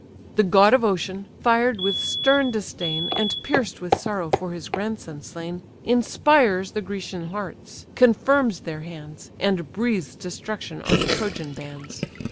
The god of ocean, fired with stern disdain, And pierced with sorrow for his grandson slain, Inspires the Grecian hearts, confirms their hands, And breathes destruction on the Trojan bands.